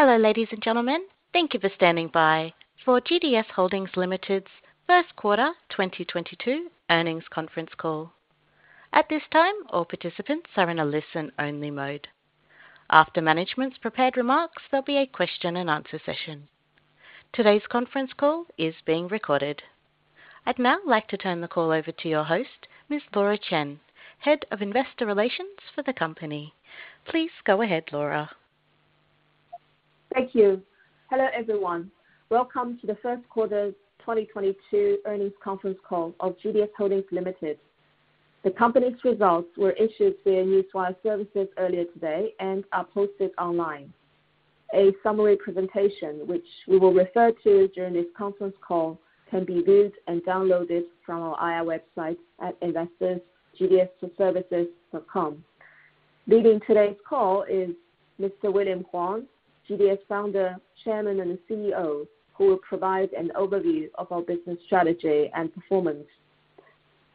Hello, ladies and gentlemen. Thank you for standing by for GDS Holdings Limited's First Quarter 2022 Earnings Conference Call. At this time, all participants are in a listen-only mode. After management's prepared remarks, there'll be a question-and-answer session. Today's conference call is being recorded. I'd now like to turn the call over to your host, Ms. Laura Chen, Head of Investor Relations for the company. Please go ahead, Laura. Thank you. Hello, everyone. Welcome to the First Quarter 2022 Earnings Conference Call of GDS Holdings Limited. The company's results were issued via Newswire services earlier today and are posted online. A summary presentation, which we will refer to during this conference call, can be viewed and downloaded from our IR website at investors.gds-services.com. Leading today's call is Mr. William Wei Huang, GDS Founder, Chairman, and CEO, who will provide an overview of our business strategy and performance.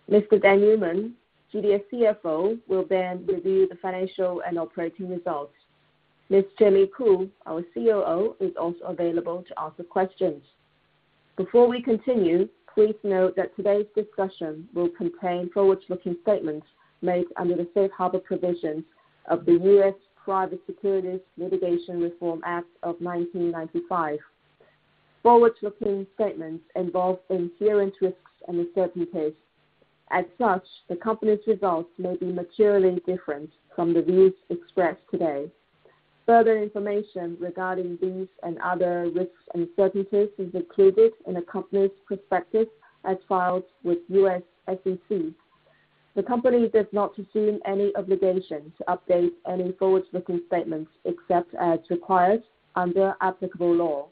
Mr. Daniel Newman, GDS CFO, will then review the financial and operating results. Ms. Jamie Khoo, our COO, is also available to answer questions. Before we continue, please note that today's discussion will contain forward-looking statements made under the Safe Harbor provisions of the U.S. Private Securities Litigation Reform Act of 1995. Forward-looking statements involve inherent risks and uncertainties As such, the company's results may be materially different from the views expressed today. Further information regarding these and other risks and uncertainties is included in the company's prospectus as filed with U.S. SEC. The company does not assume any obligation to update any forward-looking statements except as required under applicable law.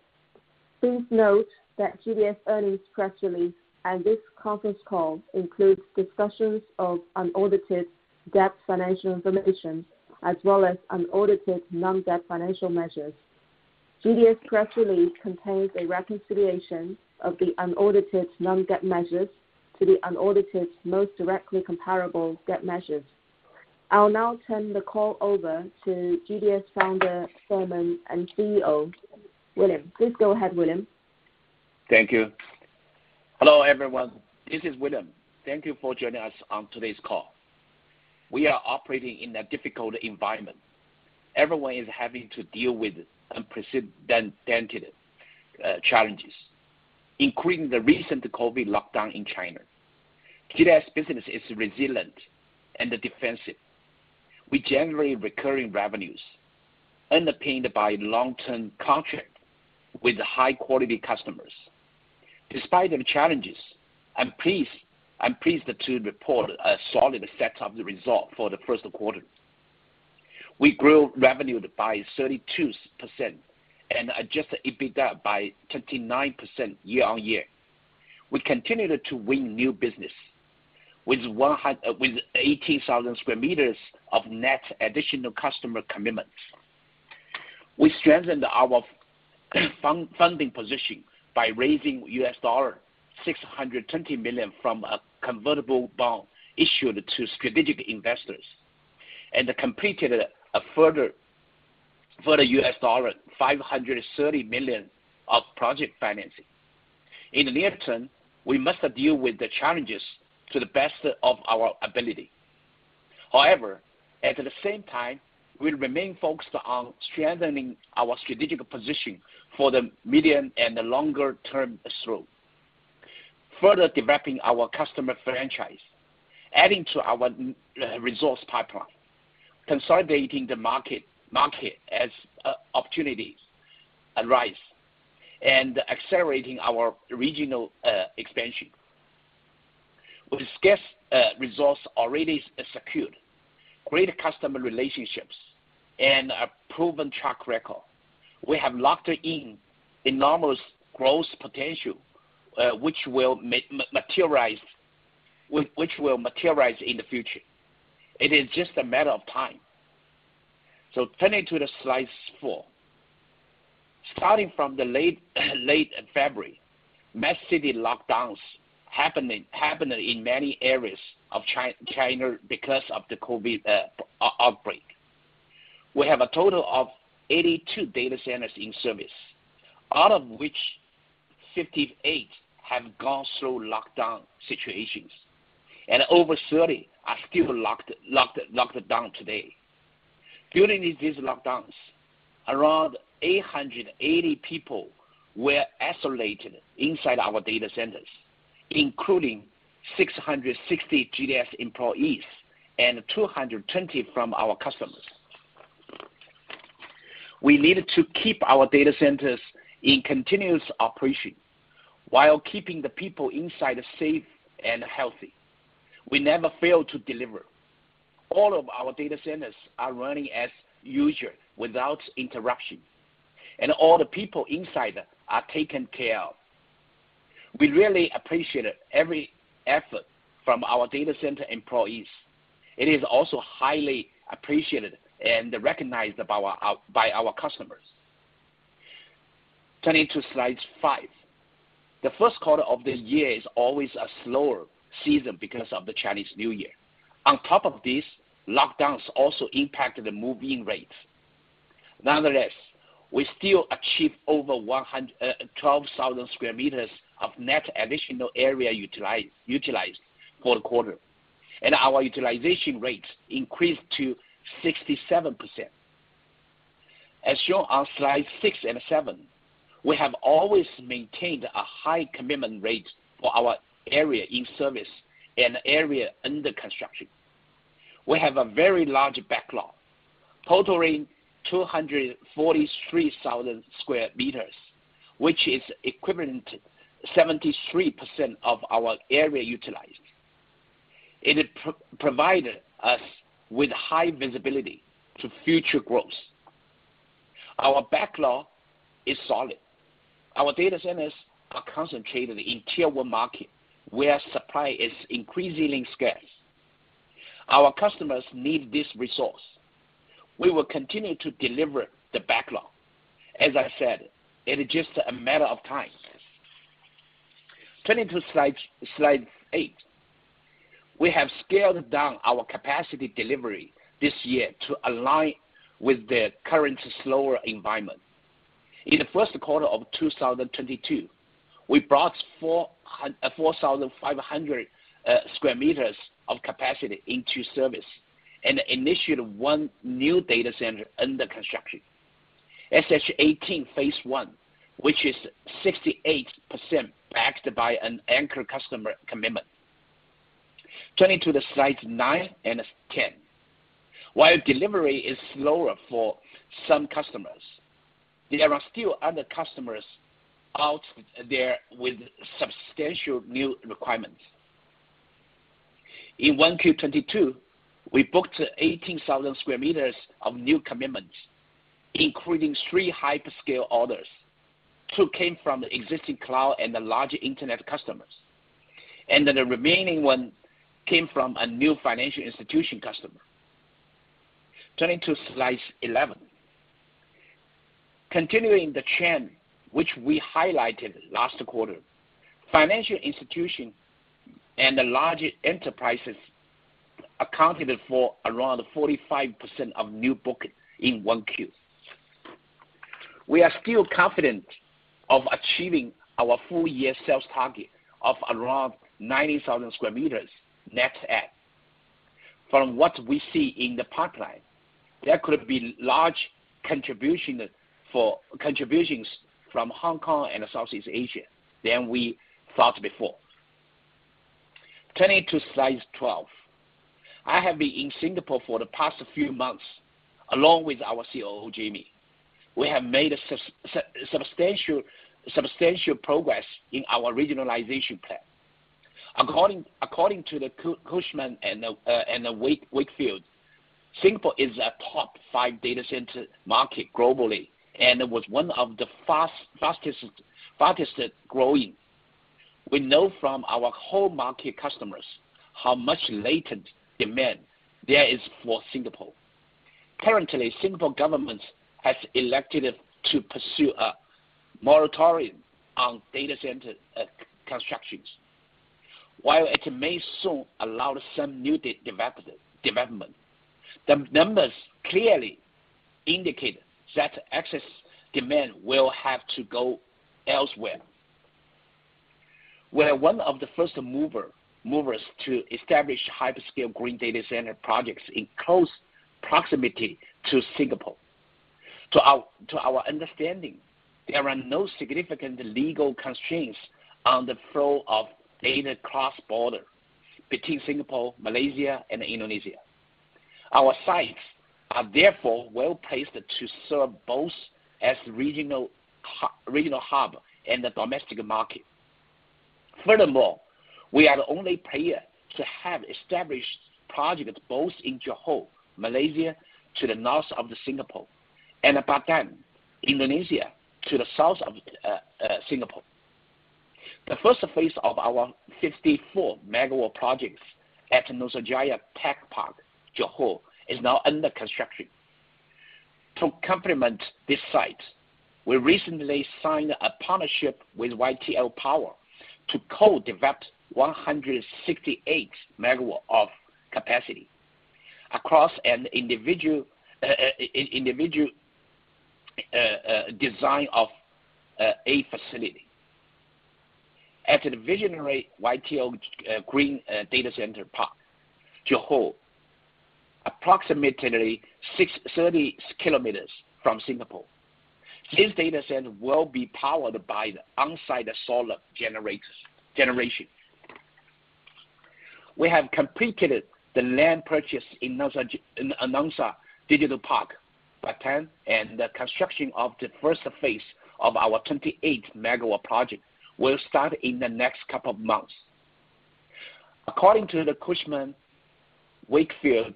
Please note that GDS earnings press release and this conference call includes discussions of unaudited GAAP financial information as well as unaudited non-GAAP financial measures. GDS press release contains a reconciliation of the unaudited non-GAAP measures to the unaudited most directly comparable GAAP measures. I'll now turn the call over to GDS Founder, Chairman, and CEO, William. Please go ahead, William. Thank you. Hello, everyone. This is William. Thank you for joining us on today's call. We are operating in a difficult environment. Everyone is having to deal with unprecedented challenges, including the recent COVID lockdown in China. GDS business is resilient and defensive. We generate recurring revenues underpinned by long-term contract with high-quality customers. Despite the challenges, I'm pleased to report a solid set of the result for the first quarter. We grew revenue by 32% and adjusted EBITDA by 29% year-on-year. We continued to win new business with 18,000 square meters of net additional customer commitments. We strengthened our funding position by raising $620 million from a convertible bond issued to strategic investors and completed a further $530 million of project financing. In the near term, we must deal with the challenges to the best of our ability. However, at the same time, we'll remain focused on strengthening our strategic position for the medium and the longer-term scope. Further developing our customer franchise, adding to our resource pipeline, consolidating the market as opportunities arise, and accelerating our regional expansion. With scale, resource already secured, great customer relationships and a proven track record, we have locked in enormous growth potential, which will materialize in the future. It is just a matter of time. Turning to slide four. Starting from late February, mass city lockdowns happened in many areas of China because of the COVID outbreak. We have a total of 82 data centers in service, out of which 58 have gone through lockdown situations, and over 30 are still locked down today. During these lockdowns, around 880 people were isolated inside our data centers, including 660 GDS employees and 220 from our customers. We needed to keep our data centers in continuous operation while keeping the people inside safe and healthy. We never failed to deliver. All of our data centers are running as usual without interruption, and all the people inside are taken care of. We really appreciate every effort from our data center employees. It is also highly appreciated and recognized by our customers. Turning to Slide five. The first quarter of the year is always a slower season because of the Chinese New Year. On top of this, lockdowns also impacted the move-in rates. Nonetheless, we still achieved over 112,000 square meters of net additional area utilized for the quarter, and our utilization rates increased to 67%. As shown on Slides six and seven, we have always maintained a high commitment rate for our area in service and area under construction. We have a very large backlog, totaling 243,000 square meters, which is equivalent to 73% of our area utilized. It provided us with high visibility to future growth. Our backlog is solid. Our data centers are concentrated in Tier One markets, where supply is increasingly scarce. Our customers need this resource. We will continue to deliver the backlog. As I said, it is just a matter of time. Turning to Slide eight. We have scaled down our capacity delivery this year to align with the current slower environment. In the first quarter of 2022, we brought 4,500 square meters of capacity into service and initiated one new data center under construction. SH18 phase I, which is 68% backed by an anchor customer commitment. Turning to Slides nine and 10. While delivery is slower for some customers, there are still other customers out there with substantial new requirements. In 1Q22, we booked 18,000 square meters of new commitments, including three hyperscale orders. Two came from the existing cloud and the large internet customers. Then the remaining one came from a new financial institution customer. Turning to Slide 11. Continuing the trend which we highlighted last quarter, financial institutions and the large enterprises accounted for around 45% of new bookings in 1Q. We are still confident of achieving our full-year sales target of around 90,000 square meters net add. From what we see in the pipeline, there could be larger contributions from Hong Kong and Southeast Asia than we thought before. Turning to Slide 12. I have been in Singapore for the past few months, along with our COO, Jamie. We have made substantial progress in our regionalization plan. According to the Cushman & Wakefield, Singapore is a top five data center market globally, and it was one of the fastest growing. We know from our wholesale market customers how much latent demand there is for Singapore. Currently, the Singapore government has elected to pursue a moratorium on data center constructions. While it may soon allow some new development, the numbers clearly indicate that excess demand will have to go elsewhere. We're one of the first movers to establish hyperscale green data center projects in close proximity to Singapore. To our understanding, there are no significant legal constraints on the flow of data cross-border between Singapore, Malaysia and Indonesia. Our sites are therefore well-placed to serve both as regional hub and the domestic market. Furthermore, we are the only player to have established projects both in Johor, Malaysia to the north of Singapore, and Batam, Indonesia to the south of Singapore. The first phase of our 54-megawatt projects at Nusajaya Tech Park, Johor, is now under construction. To complement this site, we recently signed a partnership with YTL Power to co-develop 168 megawatts of capacity across an individual design of a facility at the visionary YTL Power Green Data Center Park, Johor, approximately 60 km from Singapore. This data center will be powered by on-site solar generation. We have completed the land purchase in Nongsa Digital Park, Batam, and the construction of the first phase of our 28-megawatt project will start in the next couple of months. According to Cushman & Wakefield,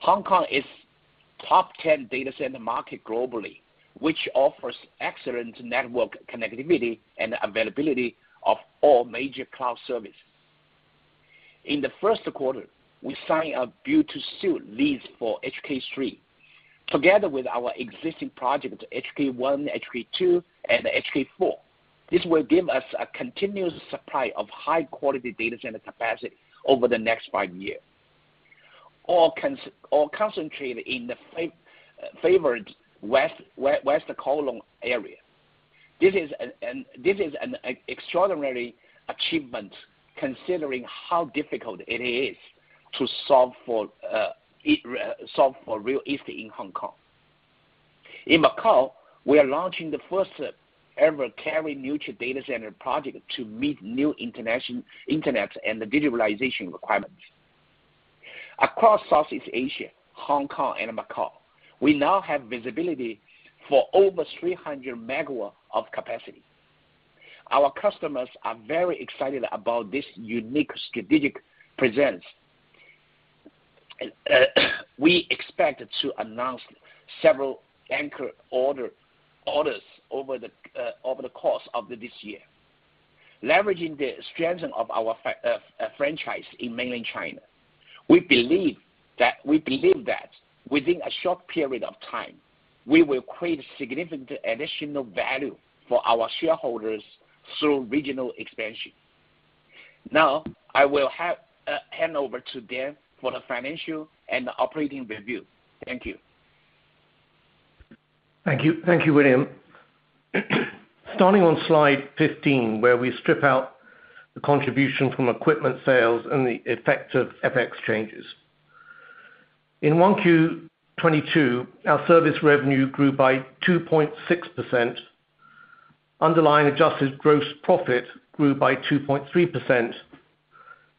Hong Kong is top 10 data center market globally, which offers excellent network connectivity and availability of all major cloud services. In the first quarter, we signed a build-to-suit lease for HK 3, together with our existing project, HK 1, HK 2, and HK 4. This will give us a continuous supply of high quality data center capacity over the next 5-year. All concentrated in the favored West Kowloon area. This is an extraordinary achievement considering how difficult it is to solve for real estate in Hong Kong. In Macau, we are launching the first ever carrier neutral data center project to meet new international internet and the digitalization requirements. Across Southeast Asia, Hong Kong, and Macau, we now have visibility for over 300 MW of capacity. Our customers are very excited about this unique strategic presence. We expect to announce several anchor orders over the course of this year. Leveraging the strength of our franchise in mainland China, we believe that within a short period of time, we will create significant additional value for our shareholders through regional expansion. Now, I will hand over to Dan for the financial and operating review. Thank you. Thank you. Thank you, William. Starting on Slide 15, where we strip out the contribution from equipment sales and the effect of FX changes. In 1Q22, our service revenue grew by 2.6%. Underlying adjusted gross profit grew by 2.3%,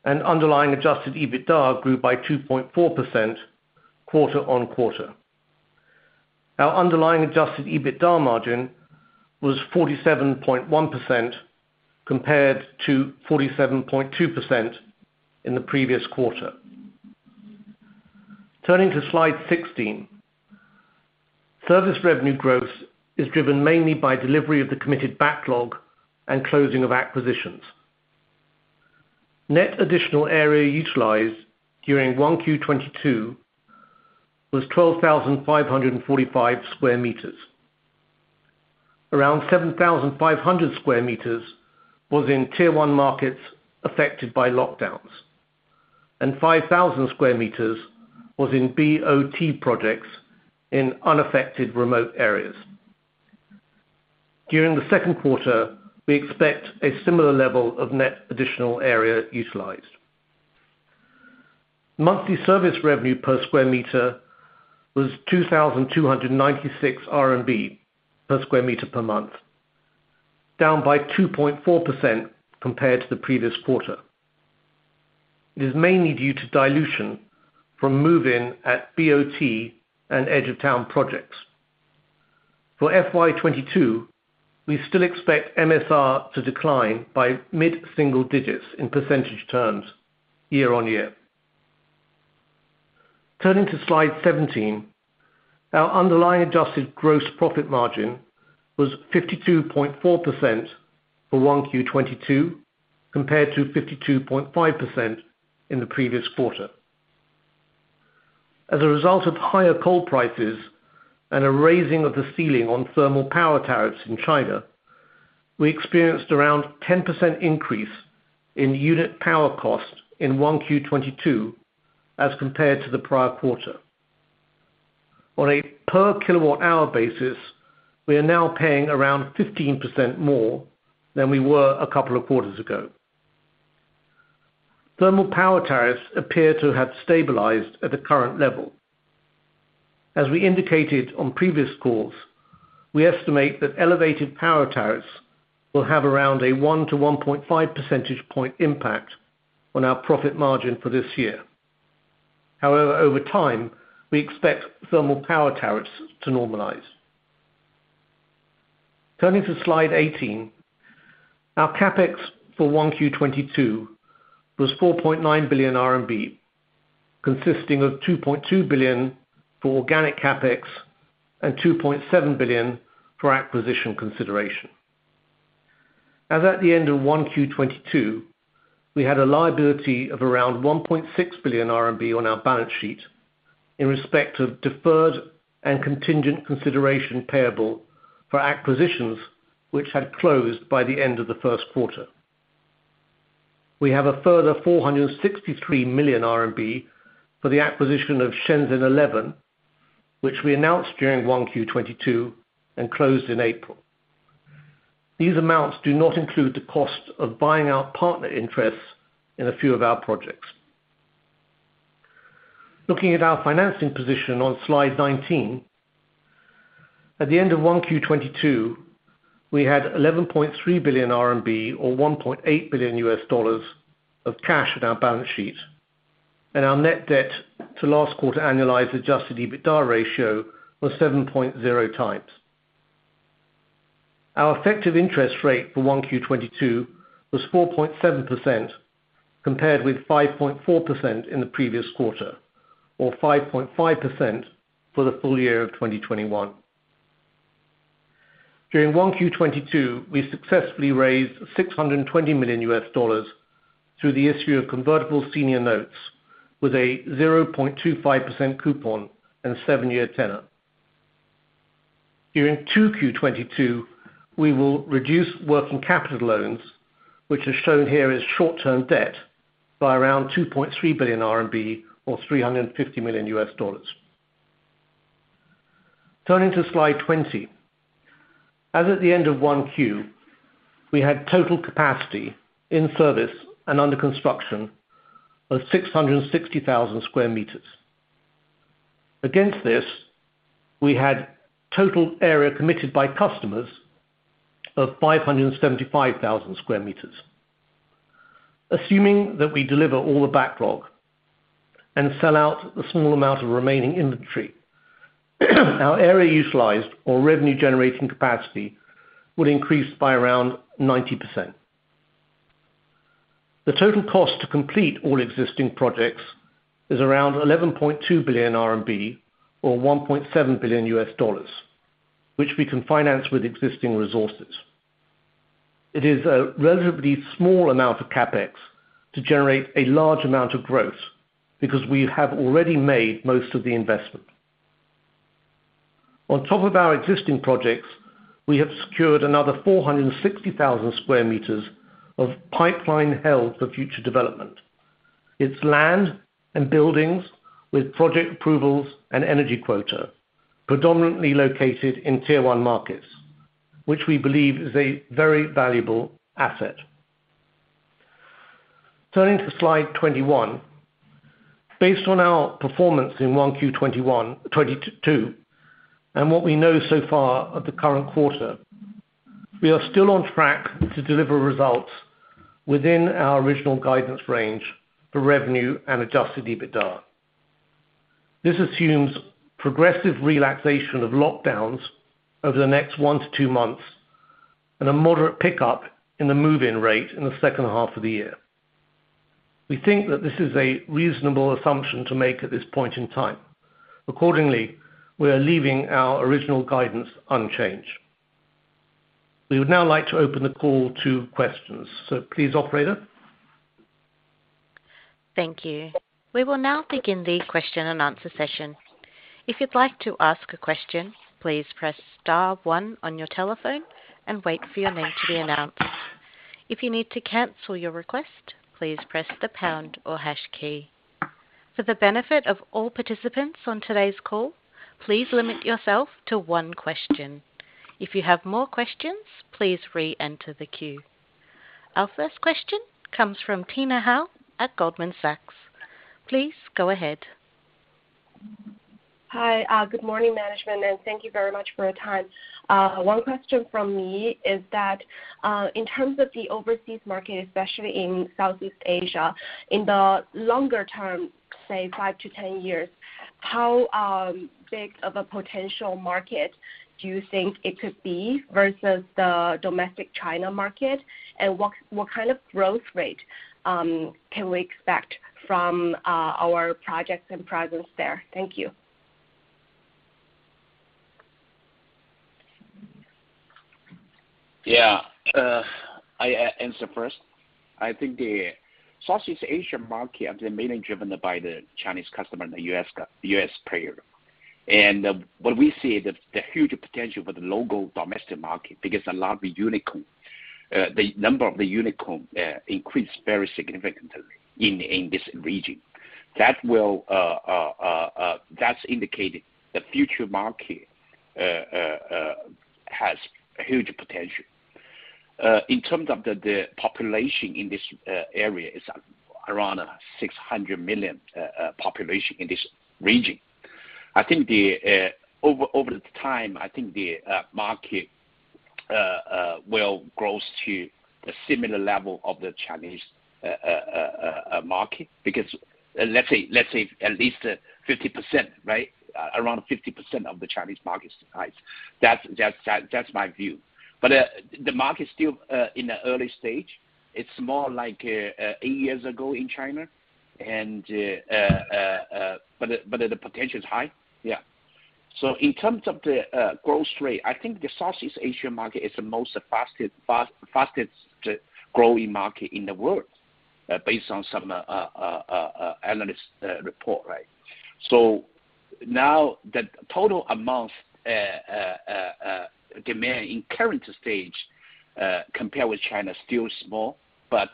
and underlying adjusted EBITDA grew by 2.4% quarter-on-quarter. Our underlying adjusted EBITDA margin was 47.1% compared to 47.2% in the previous quarter. Turning to Slide 16. Service revenue growth is driven mainly by delivery of the committed backlog and closing of acquisitions. Net additional area utilized during 1Q22 was 12,545 square meters. Around 7,500 square meters was in Tier One markets affected by lockdowns, and 5,000 square meters was in BOT projects in unaffected remote areas. During the second quarter, we expect a similar level of net additional area utilized. Monthly service revenue per square meter was 2,296 RMB per square meter per month, down by 2.4% compared to the previous quarter. It is mainly due to dilution from move-in at BOT and edge of town projects. For FY 2022, we still expect MSR to decline by mid-single digits % year-on-year. Turning to Slide 17. Our underlying adjusted gross profit margin was 52.4% for 1Q22 compared to 52.5% in the previous quarter. As a result of higher coal prices and a raising of the ceiling on thermal power tariffs in China, we experienced around 10% increase in unit power cost in 1Q22 as compared to the prior quarter. On a per kilowatt hour basis, we are now paying around 15% more than we were a couple of quarters ago. Thermal power tariffs appear to have stabilized at the current level. We indicated on previous calls, we estimate that elevated power tariffs will have around a 1-1.5 percentage point impact on our profit margin for this year. However, over time, we expect thermal power tariffs to normalize. Turning to Slide 18. Our CapEx for 1Q22 was 4.9 billion RMB, consisting of 2.2 billion for organic CapEx and 2.7 billion for acquisition consideration. As at the end of 1Q22, we had a liability of around 1.6 billion RMB on our balance sheet in respect of deferred and contingent consideration payable for acquisitions which had closed by the end of the first quarter. We have a further 463 million RMB for the acquisition of Shenzhen 11, which we announced during 1Q22 and closed in April. These amounts do not include the cost of buying out partner interests in a few of our projects. Looking at our financing position on Slide 19. At the end of 1Q22, we had 11.3 billion RMB or $1.8 billion of cash on our balance sheet, and our net debt to last quarter annualized adjusted EBITDA ratio was 7.0 times. Our effective interest rate for 1Q22 was 4.7% compared with 5.4% in the previous quarter or 5.5% for the full year of 2021. During 1Q22, we successfully raised $620 million through the issue of convertible senior notes with a 0.25% coupon and seven-year tenor. During 2Q22, we will reduce working capital loans, which is shown here as short-term debt, by around 2.3 billion RMB or $350 million. Turning to Slide 20. As at the end of 1Q, we had total capacity in service and under construction of 660,000 square meters. Against this, we had total area committed by customers of 575,000 square meters. Assuming that we deliver all the backlog and sell out the small amount of remaining inventory, our area utilized or revenue generating capacity would increase by around 90%. The total cost to complete all existing projects is around 11.2 billion RMB or $1.7 billion, which we can finance with existing resources. It is a relatively small amount of CapEx to generate a large amount of growth because we have already made most of the investment. On top of our existing projects, we have secured another 460,000 sq m of pipeline held for future development. It's land and buildings with project approvals and energy quota, predominantly located in Tier One markets, which we believe is a very valuable asset. Turning to Slide 21. Based on our performance in 1Q 2021, 2022, and what we know so far of the current quarter, we are still on track to deliver results within our original guidance range for revenue and adjusted EBITDA. This assumes progressive relaxation of lockdowns over the next one to two months and a moderate pickup in the move-in rate in the second half of the year. We think that this is a reasonable assumption to make at this point in time. Accordingly, we are leaving our original guidance unchanged. We would now like to open the call to questions. Please operator. Thank you. We will now begin the question and answer session. If you'd like to ask a question, please press star one on your telephone and wait for your name to be announced. If you need to cancel your request, please press the pound or hash key. For the benefit of all participants on today's call, please limit yourself to one question. If you have more questions, please re-enter the queue. Our first question comes from Tina Hou at Goldman Sachs. Please go ahead. Hi. Good morning, management, and thank you very much for your time. One question from me is that, in terms of the overseas market, especially in Southeast Asia, in the longer term, say 5-10 years, how big of a potential market do you think it could be versus the domestic China market? What kind of growth rate can we expect from our projects and presence there? Thank you. Yeah. I answer first. I think the Southeast Asia market is mainly driven by the Chinese customer and the U.S. player. What we see the huge potential for the local domestic market, because a lot of the unicorn, the number of the unicorn increased very significantly in this region. That indicates the future market has huge potential. In terms of the population in this area is around 600 million population in this region. I think over the time, I think the market will grow to a similar level of the Chinese market, because let's say at least 50%, right? Around 50% of the Chinese market size. That's my view. The market is still in the early stage. It's more like eight years ago in China, but the potential is high. Yeah. In terms of the growth rate, I think the Southeast Asia market is the fastest growing market in the world, based on some analyst report, right? Now the total amount demand in current stage compared with China is still small, but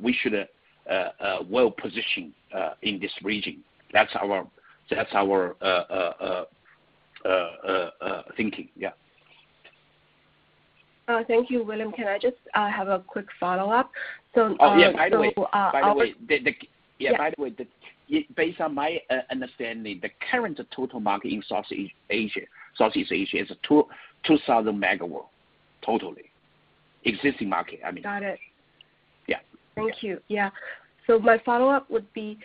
we should well-positioned in this region. That's our thinking. Yeah. Thank you. William, can I just have a quick follow-up? Oh, yeah. By the way. So, uh- By the way, the Yeah. Yeah, by the way, based on my understanding, the current total market in Southeast Asia is 2,000 megawatts total. Existing market, I mean. Got it. Yeah. Thank you. Yeah. My follow-up would be,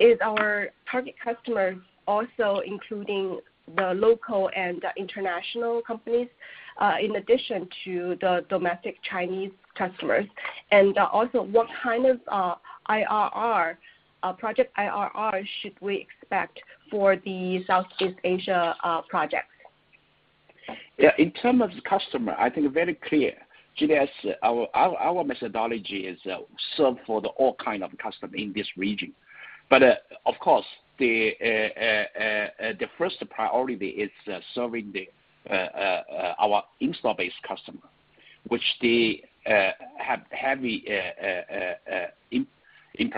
is our target customer also including the local and international companies? In addition to the domestic Chinese customers. Also, what kind of IRR project IRR should we expect for the Southeast Asia projects? Yeah. In terms of customer, I think very clear. GDS, our methodology is serve for the all kind of customer in this region. Of course, the first priority is serving our installed-base customer, which they have heavy business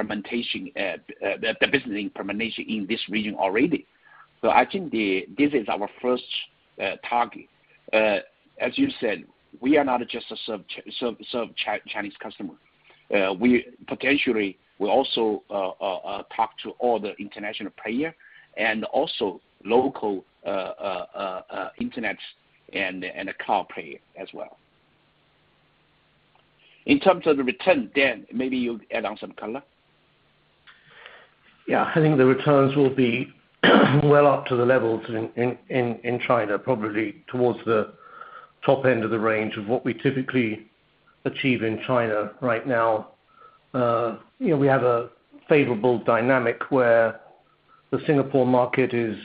implementation in this region already. I think this is our first target. As you said, we are not just a sub Chinese customer. We potentially will also talk to all the international player and also local internet and a car player as well. In terms of the return, Dan, maybe you add on some color. Yeah. I think the returns will be well up to the levels in China, probably towards the top end of the range of what we typically achieve in China right now. You know, we have a favorable dynamic where the Singapore market is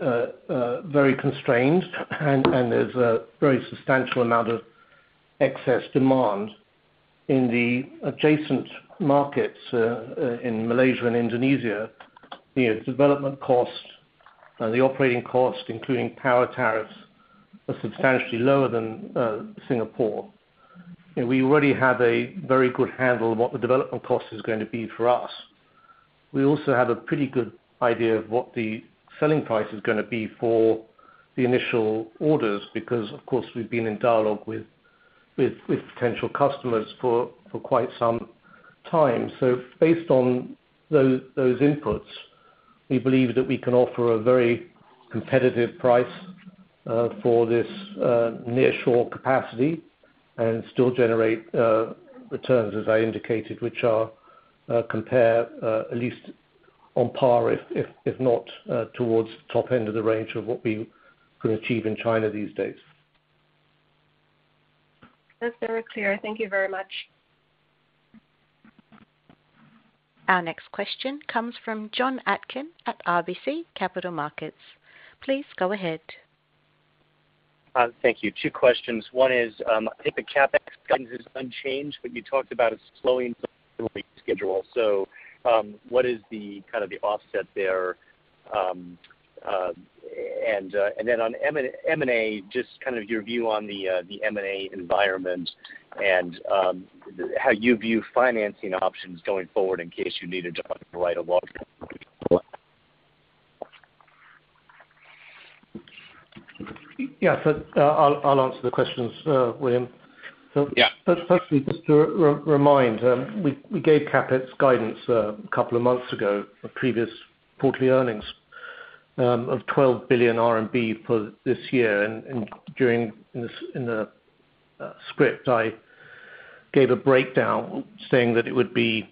very constrained, and there's a very substantial amount of excess demand in the adjacent markets in Malaysia and Indonesia. You know, development costs and the operating costs, including power tariffs, are substantially lower than Singapore. We already have a very good handle on what the development cost is going to be for us. We also have a pretty good idea of what the selling price is gonna be for the initial orders because, of course, we've been in dialogue with potential customers for quite some time. Based on those inputs, we believe that we can offer a very competitive price for this nearshore capacity and still generate returns as I indicated, which are comparable at least on par, if not towards the top end of the range of what we can achieve in China these days. That's very clear. Thank you very much. Our next question comes from Jonathan Atkin at RBC Capital Markets. Please go ahead. Thank you. Two questions. One is, I think the CapEx guidance is unchanged, but you talked about it slowing delivery schedule. What is the kind of offset there, and then on M&A, just kind of your view on the M&A environment and how you view financing options going forward in case you need to write a. Yeah. I'll answer the questions, William. Yeah. Firstly, just to re-remind, we gave CapEx guidance a couple of months ago in a previous quarterly earnings of 12 billion RMB for this year. During this, in the script, I gave a breakdown saying that it would be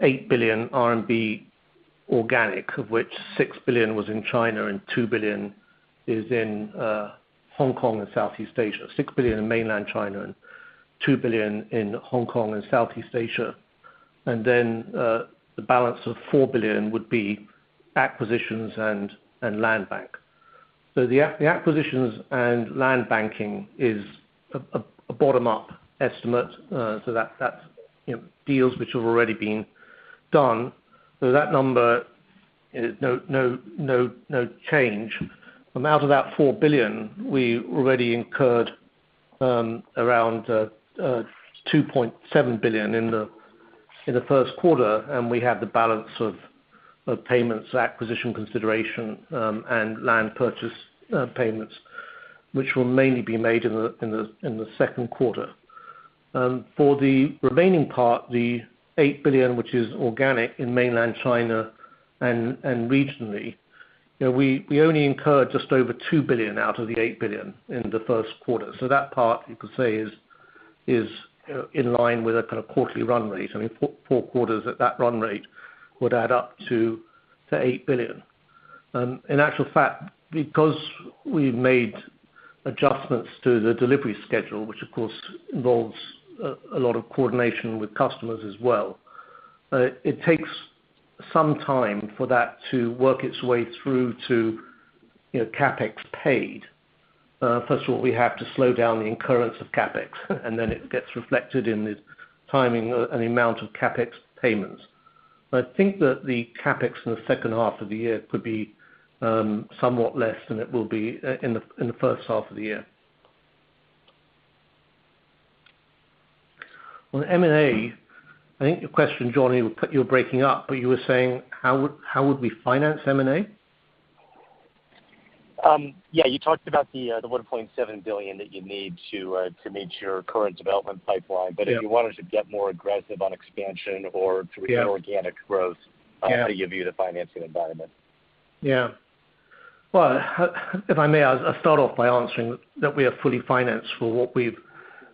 8 billion RMB organic, of which 6 billion was in China and 2 billion is in Hong Kong and Southeast Asia. 6 billion in mainland China and 2 billion in Hong Kong and Southeast Asia. The balance of 4 billion would be acquisitions and land bank. The acquisitions and land banking is a bottom-up estimate. That's, you know, deals which have already been done. That number is no change. From out of that $4 billion, we already incurred around $2.7 billion in the first quarter, and we have the balance of payments, acquisition consideration, and land purchase payments, which will mainly be made in the second quarter. For the remaining part, the $8 billion, which is organic in mainland China and regionally, you know, we only incurred just over $2 billion out of the $8 billion in the first quarter. So that part, you could say, is you know, in line with a kind of quarterly run rate. I mean, four quarters at that run rate would add up to the $8 billion. In actual fact, because we've made adjustments to the delivery schedule, which of course involves a lot of coordination with customers as well, it takes some time for that to work its way through to, you know, CapEx paid. First of all, we have to slow down the incurrence of CapEx, and then it gets reflected in the timing and amount of CapEx payments. I think that the CapEx in the second half of the year could be somewhat less than it will be in the first half of the year. On M&A, I think your question, John, you were breaking up, but you were saying how would we finance M&A? You talked about the $1.7 billion that you need to meet your current development pipeline. Yeah. If you wanted to get more aggressive on expansion or- Yeah. to organic growth. Yeah. How do you view the financing environment? Well, if I may, I'll start off by answering that we are fully financed for what we've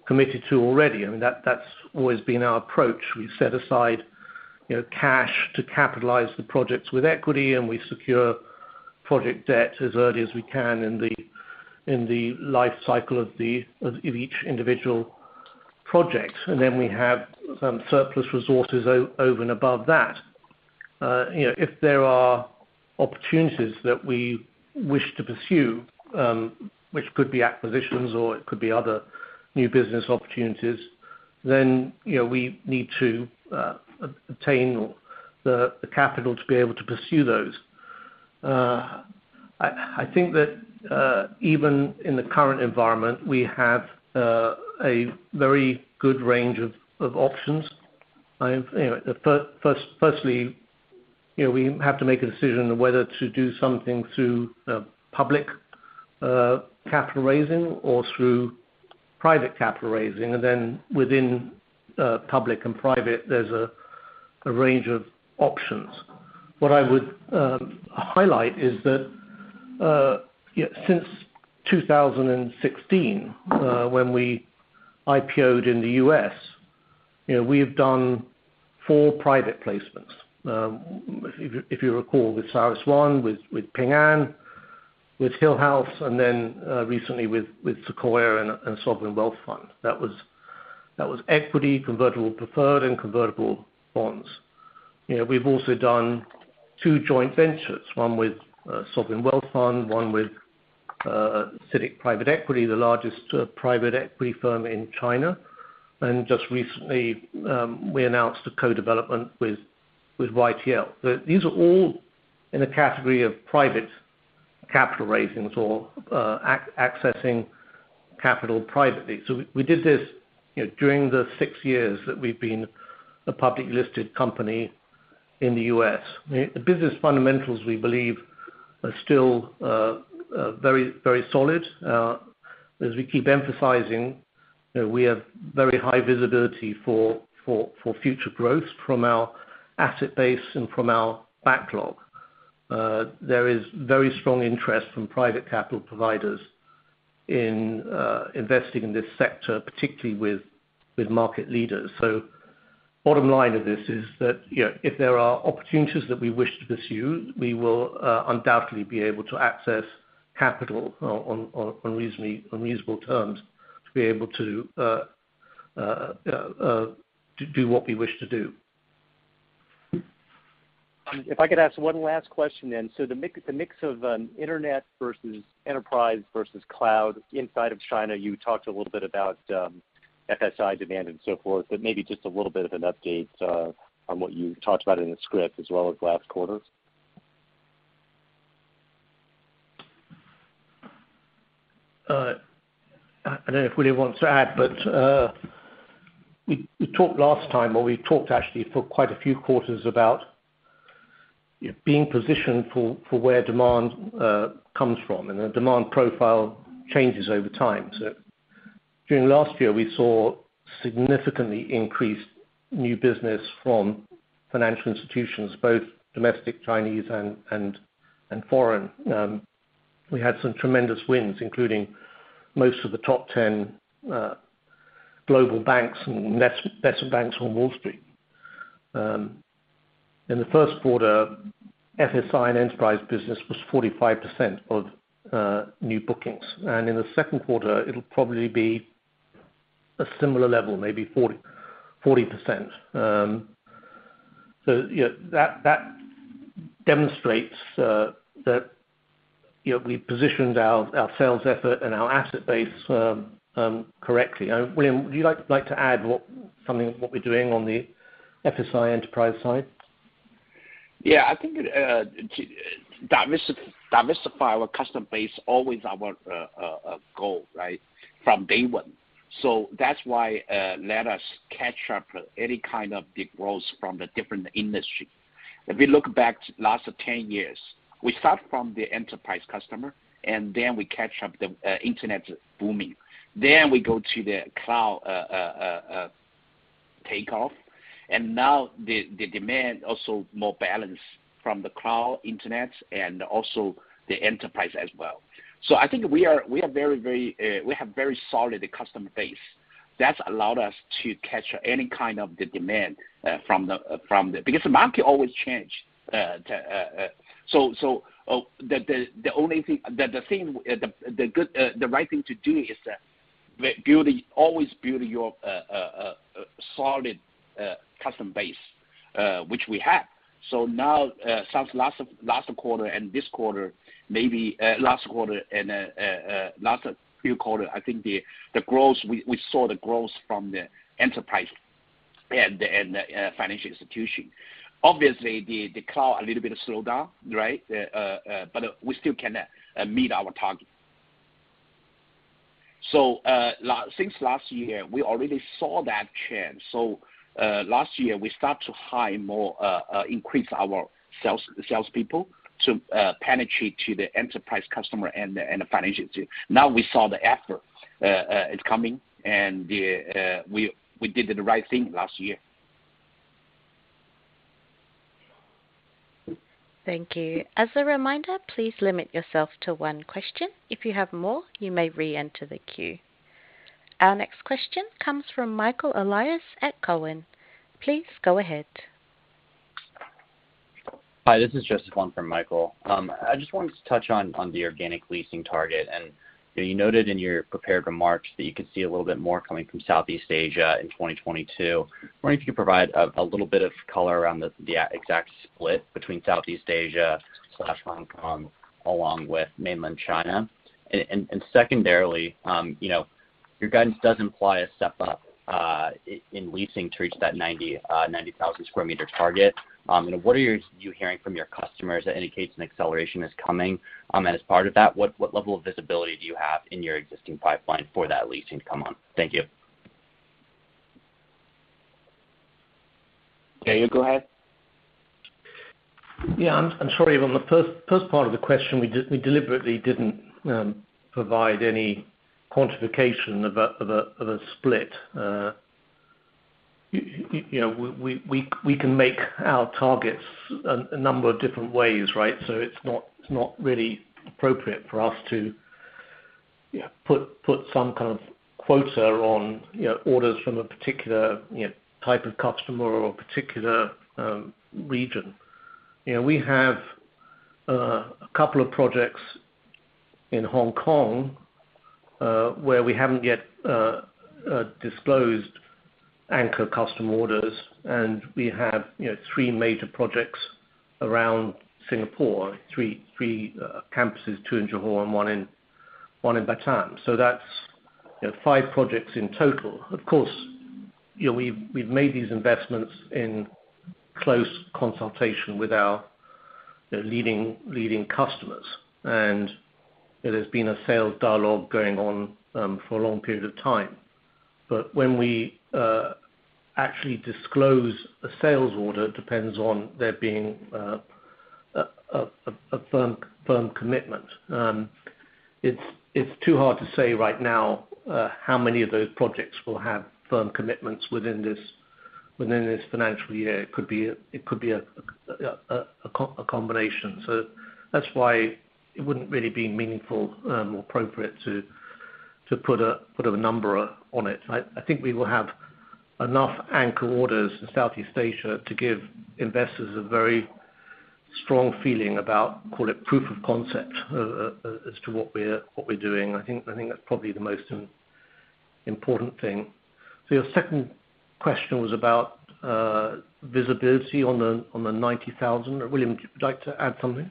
committed to already. I mean, that's always been our approach. We set aside, you know, cash to capitalize the projects with equity, and we secure project debt as early as we can in the life cycle of each individual project. Then we have some surplus resources over and above that. You know, if there are opportunities that we wish to pursue, which could be acquisitions or it could be other new business opportunities, then, you know, we need to obtain the capital to be able to pursue those. I think that even in the current environment, we have a very good range of options. You know, firstly, you know, we have to make a decision on whether to do something through public capital raising or through private capital raising. Then within public and private, there's a range of options. What I would highlight is that since 2016, when we IPO'd in the U.S., you know, we have done four private placements. If you recall with CyrusOne, with Ping An, with Hillhouse, and then recently with Sequoia and Sovereign Wealth Fund. That was equity, convertible preferred, and convertible bonds. You know, we've also done two joint ventures, one with Sovereign Wealth Fund, one with CITIC Private Equity, the largest private equity firm in China. Just recently, we announced a co-development with YTL Power. These are all in a category of private capital raising or accessing capital privately. We did this, you know, during the six years that we've been a public listed company in the U.S. The business fundamentals, we believe, are still very solid. As we keep emphasizing that we have very high visibility for future growth from our asset base and from our backlog. There is very strong interest from private capital providers in investing in this sector, particularly with market leaders. Bottom line of this is that, you know, if there are opportunities that we wish to pursue, we will undoubtedly be able to access capital on reasonable terms to be able to do what we wish to do. If I could ask one last question then. The mix of internet versus enterprise versus cloud inside of China, you talked a little bit about FSI demand and so forth, but maybe just a little bit of an update on what you talked about in the script as well as last quarter. I don't know if William wants to add, but we talked last time, or we talked actually for quite a few quarters about being positioned for where demand comes from, and the demand profile changes over time. During last year, we saw significantly increased new business from financial institutions, both domestic Chinese and foreign. We had some tremendous wins, including most of the top 10 global banks and lesser banks on Wall Street. In the first quarter, FSI and enterprise business was 45% of new bookings. In the second quarter, it'll probably be a similar level, maybe 40%. Yeah, that demonstrates that you know we positioned our sales effort and our asset base correctly. William, would you like to add something what we're doing on the FSI enterprise side? Yeah. I think to diversify our customer base, always our goal, right? From day one. That's why let us catch up any kind of big growth from the different industry. If we look back last 10 years, we start from the enterprise customer, and then we catch up the internet booming. We go to the cloud takeoff. Now the demand also more balanced from the cloud internet and also the enterprise as well. I think we are very we have very solid customer base. That's allowed us to catch any kind of the demand from the. Because the market always change, so the only thing. The right thing to do is to always build your solid customer base, which we have. Now, since last quarter and this quarter, maybe last quarter and last few quarters, I think the growth we saw from the enterprise and the financial institution. Obviously, the cloud a little bit of slowdown, right? But we still can meet our target. Since last year, we already saw that change. Last year, we start to hire more, increase our sales people to penetrate to the enterprise customer and the financial institution. Now we saw the effort is coming, and we did the right thing last year. Thank you. As a reminder, please limit yourself to one question. If you have more, you may reenter the queue. Our next question comes from Michael Elias at Cowen. Please go ahead. Hi, this is just one from Michael. I just wanted to touch on the organic leasing target. You know, you noted in your prepared remarks that you could see a little bit more coming from Southeast Asia in 2022. Wondering if you could provide a little bit of color around the exact split between Southeast Asia/Hong Kong, along with mainland China. And secondarily, you know, your guidance does imply a step up in leasing to reach that 90,000 square meter target. And what are you hearing from your customers that indicates an acceleration is coming as part of that? What level of visibility do you have in your existing pipeline for that leasing to come on? Thank you. Dan, go ahead. Yeah. I'm sorry. On the first part of the question, we deliberately didn't provide any quantification of a split. You know, we can make our targets a number of different ways, right? It's not really appropriate for us to, you know, put some kind of quota on, you know, orders from a particular type of customer or particular region. You know, we have a couple of projects in Hong Kong, where we haven't yet disclosed anchor customer orders, and we have three major projects around Singapore. Three campuses, two in Johor and one in Batam. That's five projects in total. Of course, you know, we've made these investments in close consultation with our, you know, leading customers. There has been a sales dialogue going on for a long period of time. When we actually disclose a sales order, it depends on there being a firm commitment. It's too hard to say right now how many of those projects will have firm commitments within this financial year. It could be a combination. That's why it wouldn't really be meaningful or appropriate to put a number on it. I think we will have enough anchor orders in Southeast Asia to give investors a very strong feeling about, call it, proof of concept as to what we're doing. I think that's probably the most important thing. Your second question was about visibility on the 90,000. William, would you like to add something?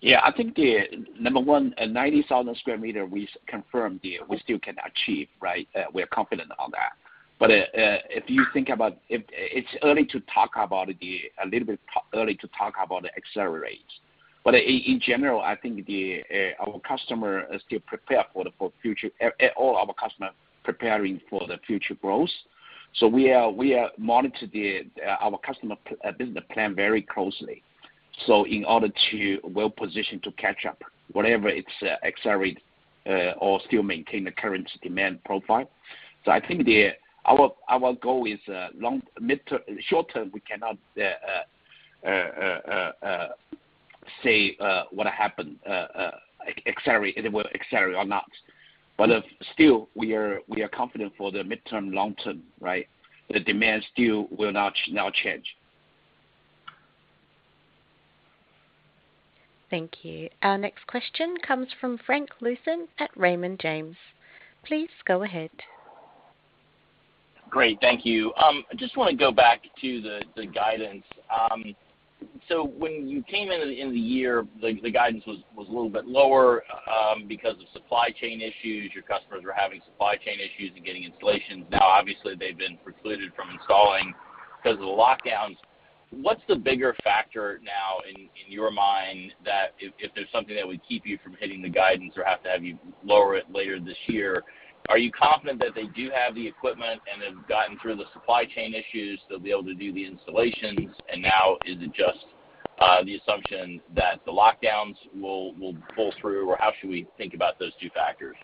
Yeah. I think the number one, 90,000 square meters, we confirmed that we still can achieve, right? We are confident on that. If you think about it's a little bit too early to talk about the acceleration. In general, I think our customer is still prepared for the future. All our customer preparing for the future growth. So we are monitoring our customer business plan very closely. So in order to well-positioned to catch up whatever it's acceleration or still maintain the current demand profile. So I think our goal is long-term, mid-term, short-term, we cannot say whether it will accelerate or not. Still, we are confident for the midterm, long term, right? The demand still will not change. Thank you. Our next question comes from Frank Louthan at Raymond James. Please go ahead. Great. Thank you. I just wanna go back to the guidance. When you came in in the year the guidance was a little bit lower because of supply chain issues. Your customers were having supply chain issues and getting installations. Now, obviously they've been precluded from installing 'cause of the lockdowns. What's the bigger factor now in your mind that if there's something that would keep you from hitting the guidance or have to have you lower it later this year? Are you confident that they do have the equipment and they've gotten through the supply chain issues, they'll be able to do the installations, and now is it just the assumption that the lockdowns will pull through? How should we think about those two factors?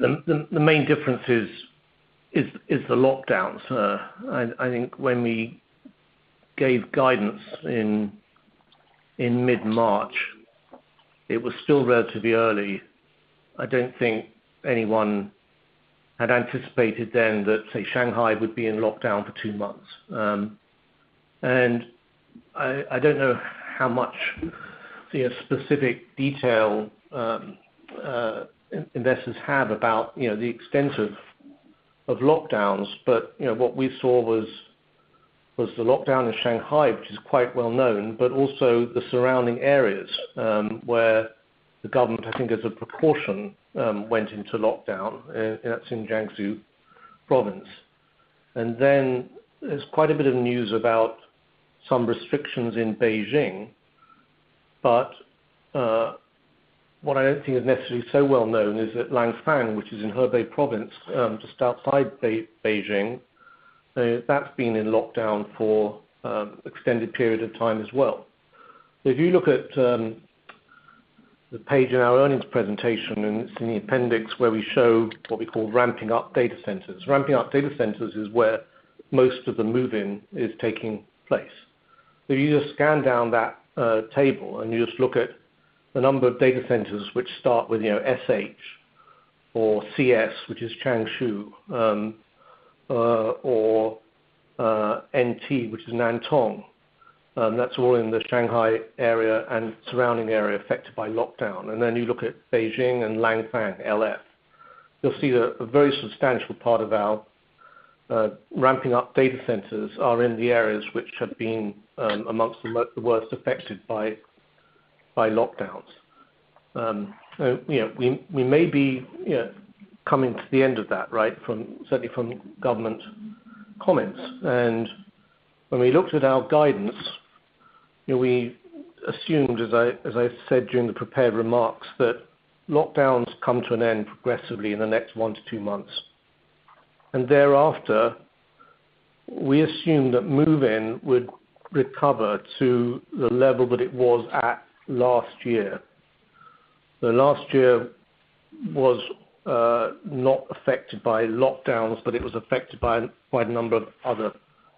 The main difference is the lockdowns. I think when we gave guidance in mid-March, it was still relatively early. I don't think anyone had anticipated then that, say, Shanghai would be in lockdown for two months. I don't know how much, you know, specific detail investors have about, you know, the extent of lockdowns. You know, what we saw was the lockdown in Shanghai, which is quite well known, but also the surrounding areas, where the government, I think as a precaution, went into lockdown. That's in Jiangsu Province. Then there's quite a bit of news about some restrictions in Beijing. What I don't think is necessarily so well known is that Langfang, which is in Hebei province, just outside Beijing, that's been in lockdown for extended period of time as well. If you look at the page in our earnings presentation, and it's in the appendix where we show what we call ramping up data centers. Ramping up data centers is where most of the move-in is taking place. You just scan down that table, and you just look at the number of data centers which start with, you know, SH or CS, which is Changshu, or NT, which is Nantong. That's all in the Shanghai area and surrounding area affected by lockdown. Then you look at Beijing and Langfang, LF. You'll see that a very substantial part of our ramping up data centers are in the areas which have been among the worst affected by lockdowns. You know, we may be, you know, coming to the end of that, right? Certainly from government comments. When we looked at our guidance, you know, we assumed, as I said during the prepared remarks, that lockdowns come to an end progressively in the next 1-2 months. Thereafter, we assume that move-in would recover to the level that it was at last year. The last year was not affected by lockdowns, but it was affected by a number of other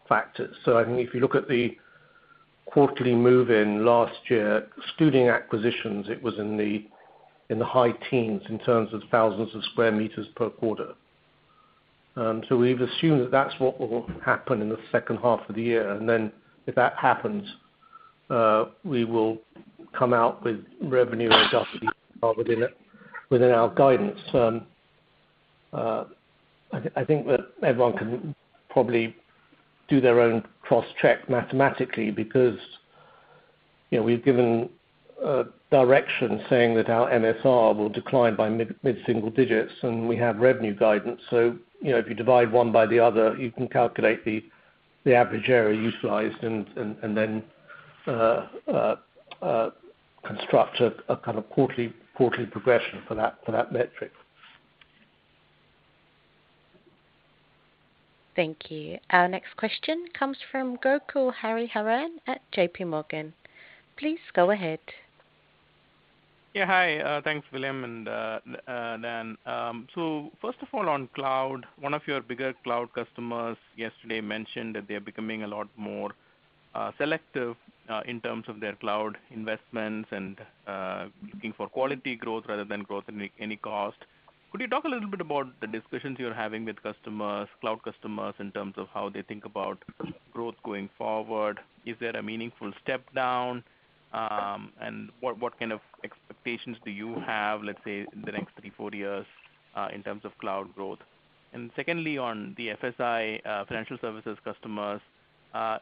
factors. I think if you look at the quarterly move-in last year, excluding acquisitions, it was in the high teens in terms of thousands of square meters per quarter. We've assumed that that's what will happen in the second half of the year. Then if that happens, we will come out with revenue within our guidance. I think that everyone can probably do their own cross-check mathematically because, you know, we've given a direction saying that our MSR will decline by mid single digits and we have revenue guidance. You know, if you divide one by the other, you can calculate the average area utilized and then construct a kind of quarterly progression for that metric. Thank you. Our next question comes from Gokul Hariharan at JPMorgan. Please go ahead. Yeah, hi. Thanks, William and Dan. First of all, on cloud, one of your bigger cloud customers yesterday mentioned that they're becoming a lot more selective in terms of their cloud investments and looking for quality growth rather than growth at any cost. Could you talk a little bit about the discussions you're having with customers, cloud customers, in terms of how they think about growth going forward? Is there a meaningful step down? And what kind of expectations do you have, let's say, in the next 3, 4 years, in terms of cloud growth? Secondly, on the FSI, financial services customers,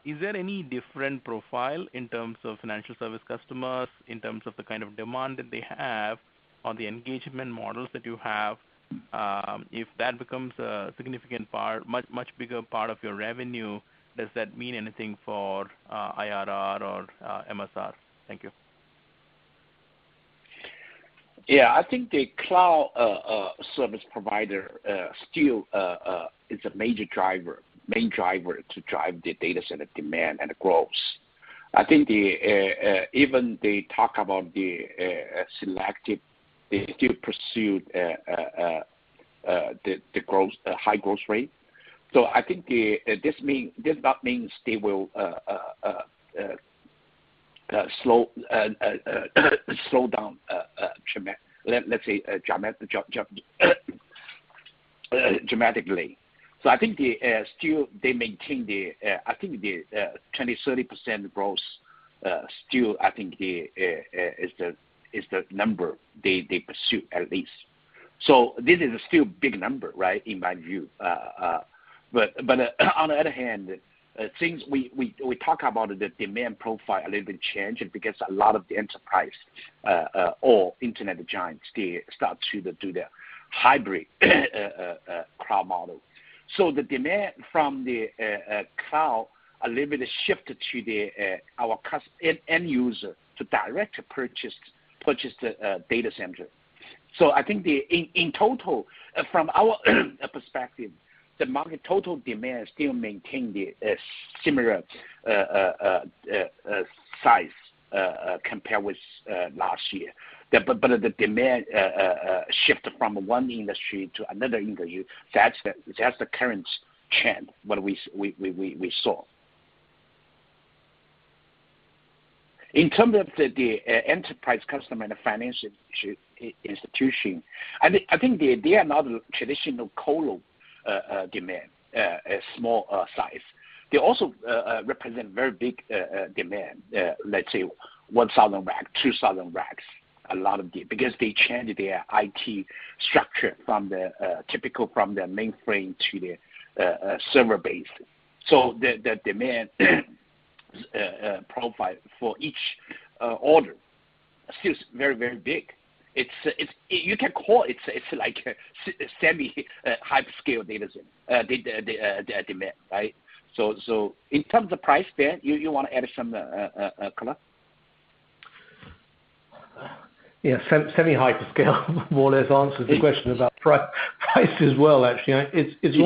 is there any different profile in terms of financial service customers, in terms of the kind of demand that they have or the engagement models that you have? If that becomes a significant part, much bigger part of your revenue, does that mean anything for IRR or MSR? Thank you. Yeah. I think the cloud service provider still is a major driver, main driver to drive the data center demand and the growth. I think even they talk about the selective, they still pursue the growth, high growth rate. I think this does not mean they will slow down, let's say, geographically dramatically. I think they still maintain, I think, the 20%-30% growth. Still I think that is the number they pursue at least. This is still big number, right? In my view. On the other hand, things we talk about the demand profile a little bit changed because a lot of the enterprise or internet giants, they start to do the hybrid cloud model. The demand from the cloud a little bit shifted to our end user to direct purchase data center. I think in total, from our perspective, the market total demand still maintain the similar size compared with last year. The demand shift from one industry to another industry, that's the current trend what we saw. In terms of the enterprise customer and the financial institution, I think they are not traditional colo demand, small size. They also represent very big demand, let's say 1,000 racks, 2,000 racks because they change their IT structure from their typical mainframe to their server base. The demand profile for each order is still very big. You can call it's like a semi hyperscale data center demand, right? In terms of price there, you wanna add some color? Yeah, semi hyperscale more or less answers the question about price as well, actually. It's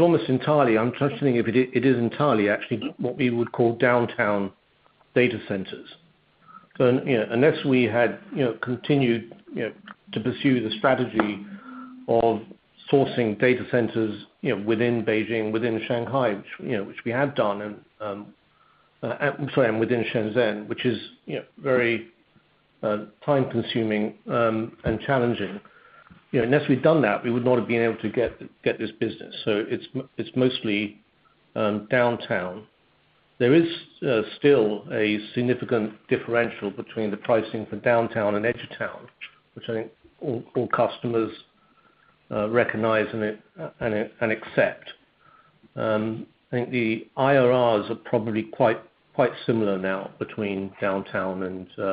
almost entirely, I'm trying to think if it is, it is entirely actually what we would call downtown data centers. You know, unless we had continued, you know, to pursue the strategy of sourcing data centers, you know, within Beijing, within Shanghai, which, you know, which we have done and, I'm sorry, within Shenzhen, which is, you know, very time-consuming and challenging. You know, unless we'd done that, we would not have been able to get this business. It's mostly downtown. There is still a significant differential between the pricing for downtown and edge of town, which I think all customers recognize and accept. I think the IRRs are probably quite similar now between downtown and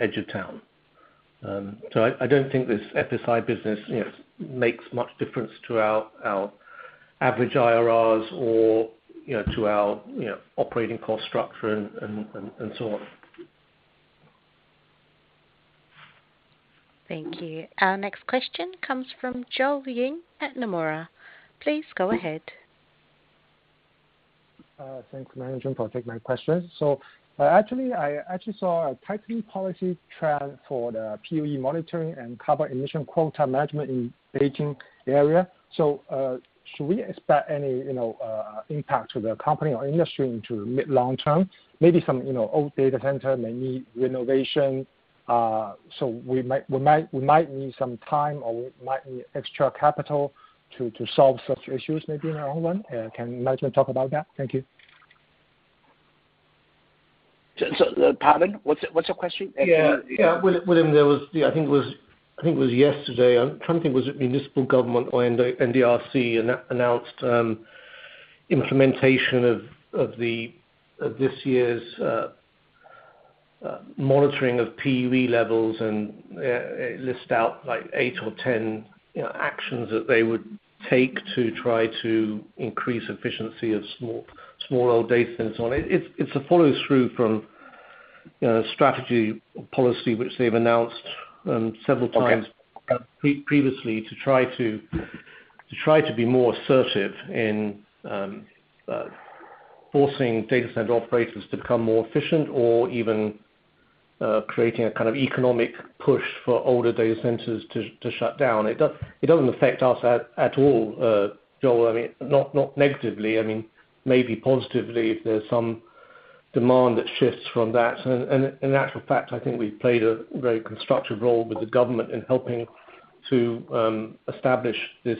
edge of town. I don't think this FSI business, you know, makes much difference to our average IRRs or, you know, to our operating cost structure and so on. Thank you. Our next question comes from Joel Ying at Nomura. Please go ahead. Thanks management for taking my question. Actually, I actually saw a tightening policy trend for the PUE monitoring and carbon emission quota management in Beijing area. Should we expect any, you know, impact to the company or industry into mid long term? Maybe some, you know, old data center may need renovation, so we might need some time or might need extra capital to solve such issues maybe in our own one. Can management talk about that? Thank you. Pardon? What's your question? Yeah. Yeah. William, there was, I think it was yesterday. I'm trying to think was it municipal government or NDRC announced implementation of this year's monitoring of PUE levels and list out like eight or ten, you know, actions that they would take to try to increase efficiency of small old data centers on it. It's a follow through from, you know, strategy policy, which they've announced several times. Okay. Previously to try to be more assertive in forcing data center operators to become more efficient or even creating a kind of economic push for older data centers to shut down. It doesn't affect us at all, Joel Ying. I mean, not negatively. I mean, maybe positively if there's some demand that shifts from that. In actual fact, I think we've played a very constructive role with the government in helping to establish this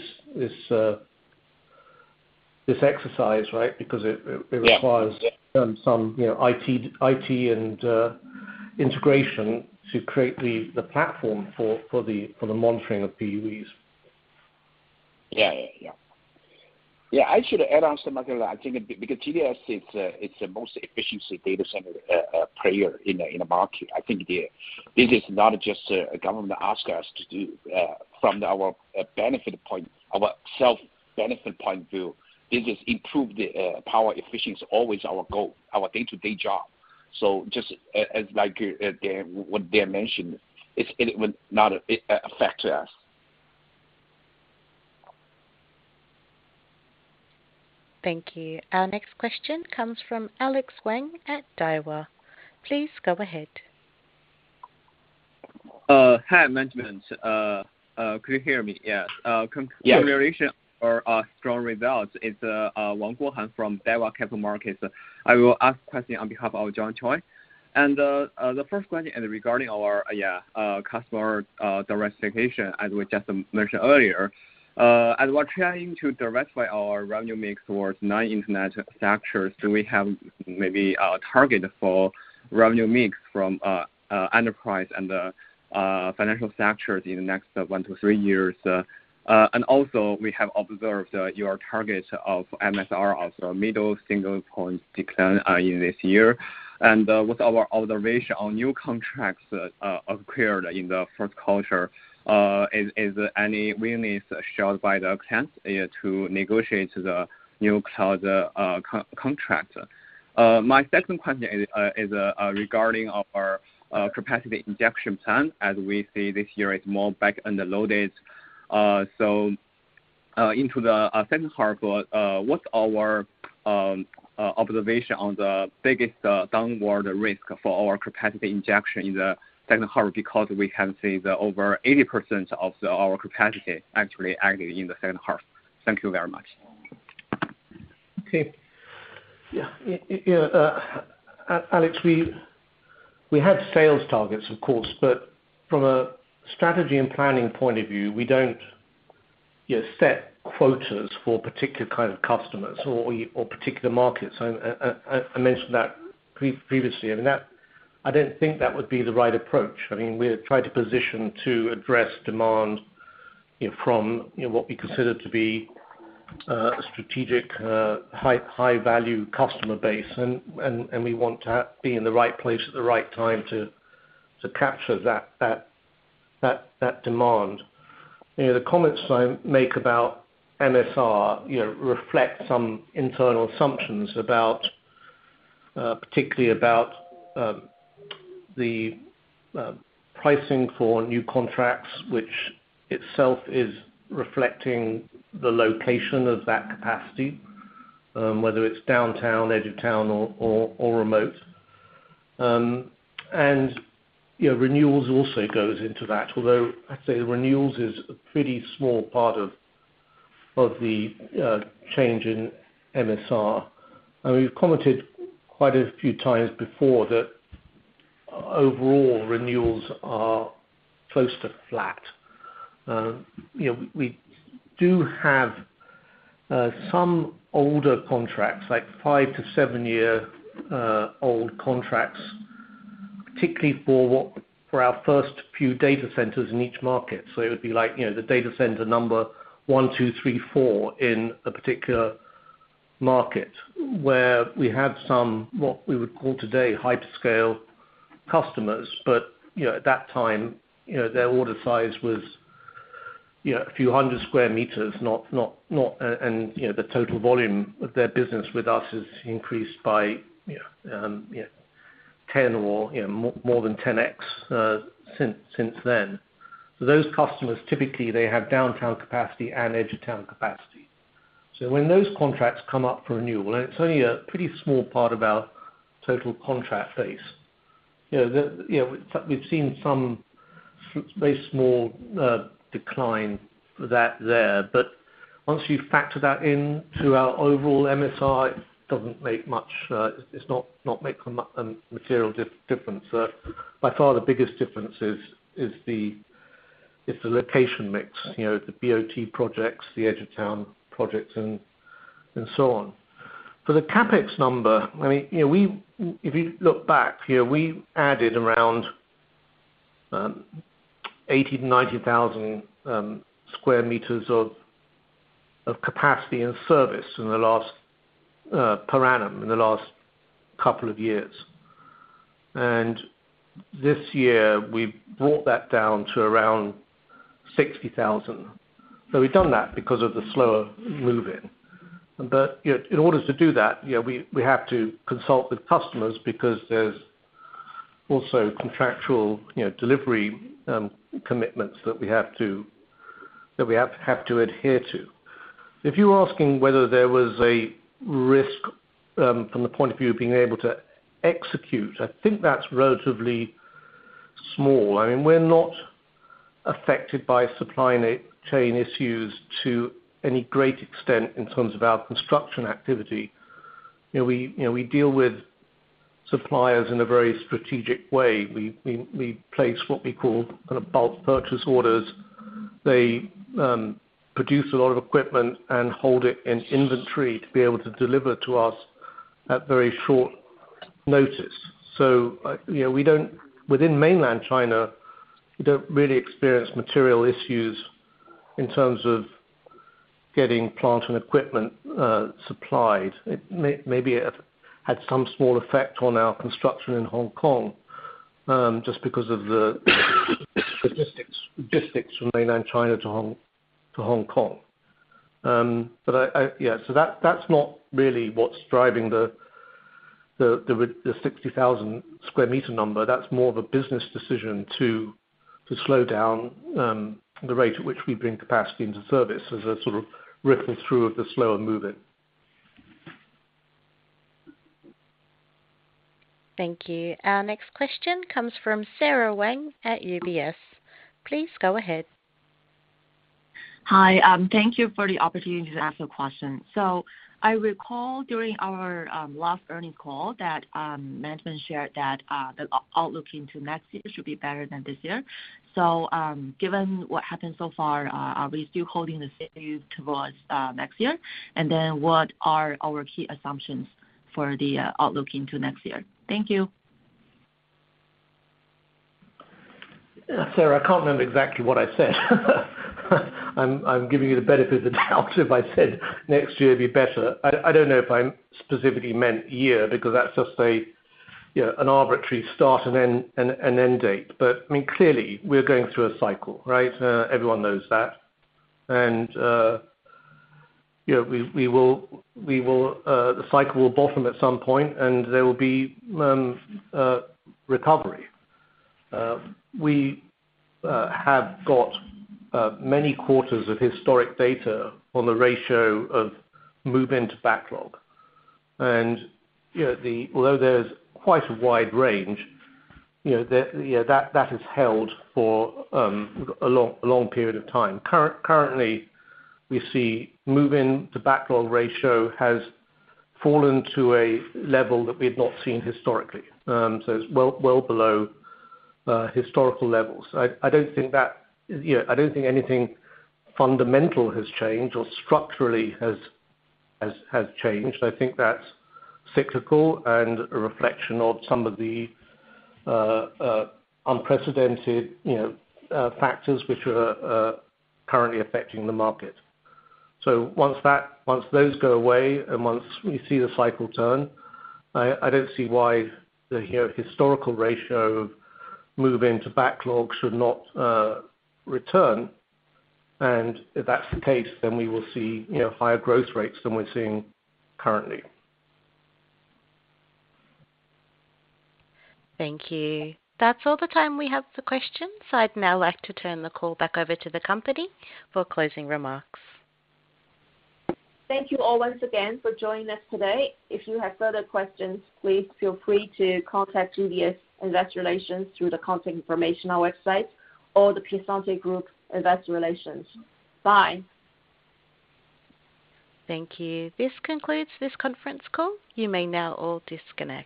exercise, right? Because it requires. Yeah. some, you know, IT and integration to create the platform for the monitoring of PUEs. Yeah. I should add on to Daniel. I think because GDS is, it's the most efficient data center player in the market. I think this is not just government ask us to do from our benefit point, our self-benefit point of view. This improves the power efficiency, always our goal, our day-to-day job. Just as like Dan, what Dan mentioned, it would not affect us. Thank you. Our next question comes from Xinyi Wang at Daiwa Capital Markets. Please go ahead. Hi, management. Could you hear me? Yes. Yes. Congratulations for strong results. It's Xinyi Wang from Daiwa Capital Markets. I will ask question on behalf of John Choi. The first question is regarding our customer diversification, as we just mentioned earlier. As we're trying to diversify our revenue mix towards non-internet sectors, do we have maybe a target for revenue mix from enterprise and financial sectors in the next 1-3 years? Also we have observed your target of MSR of middle single-digit decline in this year. With our observation on new contracts acquired in the first quarter, is any willingness shown by the clients to negotiate the new cloud contract? My second question is regarding our capacity injection plan as we see this year is more back-loaded. Into the second half, what's our observation on the biggest downside risk for our capacity injection in the second half? Because we can see that over 80% of our capacity actually added in the second half. Thank you very much. Okay. Yeah. You know, Xinyi, we have sales targets, of course, but from a strategy and planning point of view, we don't, you know, set quotas for particular kind of customers or particular markets. I mentioned that previously. I mean, I didn't think that would be the right approach. I mean, we're trying to position to address demand, you know, from, you know, what we consider to be a strategic high value customer base. We want to be in the right place at the right time to capture that demand. You know, the comments I make about MSR, you know, reflect some internal assumptions about, particularly about, the pricing for new contracts, which itself is reflecting the location of that capacity, whether it's downtown, edge of town or remote. You know, renewals also goes into that, although I'd say renewals is a pretty small part of the change in MSR. We've commented quite a few times before that overall renewals are close to flat. You know, we do have some older contracts, like 5-to-7-year old contracts, particularly for our first few data centers in each market. It would be like, you know, the data center number one, two, three, four in a particular market, where we have some, what we would call today, hyperscale customers. You know, at that time, you know, their order size was, you know, a few hundred square meters. You know, the total volume of their business with us has increased by, you know, 10 or, you know, more than 10x since then. Those customers typically have downtown capacity and edge of town capacity. When those contracts come up for renewal, and it's only a pretty small part of our total contract base, you know, we've seen some very small decline for that there. Once you factor that into our overall MSR, it doesn't make much. It's not make a material difference. By far the biggest difference is the location mix, you know, the BOT projects, the edge of town projects and so on. For the CapEx number, I mean, you know, if you look back, you know, we added around 80,000-90,000 square meters of capacity and service in the last per annum in the last couple of years. This year we've brought that down to around 60,000. We've done that because of the slower move-in. You know, in order to do that, you know, we have to consult with customers because there's also contractual, you know, delivery commitments that we have to adhere to. If you're asking whether there was a risk from the point of view of being able to execute, I think that's relatively small. I mean, we're not affected by supply chain issues to any great extent in terms of our construction activity. You know, we deal with suppliers in a very strategic way. We place what we call kind of bulk purchase orders. They produce a lot of equipment and hold it in inventory to be able to deliver to us at very short notice. You know, within mainland China, we don't really experience material issues in terms of getting plant and equipment supplied. Maybe it had some small effect on our construction in Hong Kong, just because of the logistics from mainland China to Hong Kong. Yeah, that’s not really what’s driving the 60,000 square meter number. That's more of a business decision to slow down the rate at which we bring capacity into service as a sort of ripple through of the slower move-in. Thank you. Our next question comes from Sara Wang at UBS. Please go ahead. Hi. Thank you for the opportunity to ask a question. I recall during our last earnings call that management shared that the outlook into next year should be better than this year. Given what happened so far, are we still holding the same view towards next year? What are our key assumptions for the outlook into next year? Thank you. Sara, I can't remember exactly what I said. I'm giving you the benefit of the doubt if I said next year will be better. I don't know if I'm specifically meant year, because that's just a you know an arbitrary start and end an end date. I mean, clearly we're going through a cycle, right? Everyone knows that. You know, we will the cycle will bottom at some point and there will be recovery. We have got many quarters of historic data on the ratio of move-in to backlog. You know, although there's quite a wide range, you know, that has held for a long period of time. Currently, we see move-in to backlog ratio has fallen to a level that we had not seen historically. So it's well below historical levels. I don't think that. You know, I don't think anything fundamental has changed or structurally has changed. I think that's cyclical and a reflection of some of the unprecedented, you know, factors which are currently affecting the market. Once those go away and once we see the cycle turn, I don't see why the, you know, historical ratio of move-in to backlog should not return. If that's the case, then we will see, you know, higher growth rates than we're seeing currently. Thank you. That's all the time we have for questions. I'd now like to turn the call back over to the company for closing remarks. Thank you all once again for joining us today. If you have further questions, please feel free to contact UBS Investor Relations through the contact information on our website or The Piacente Group Investor Relations. Bye. Thank you. This concludes this conference call. You may now all disconnect.